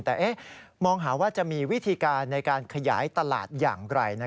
แต่มองหาว่าจะมีวิธีการในการขยายตลาดอย่างไร